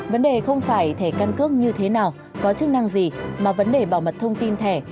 vấn đề không phải thẻ căn cước như thế nào có chức năng gì mà vấn đề bảo mật thông tin thẻ